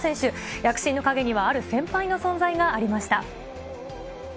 躍進の陰には、ある先輩の存在がありました。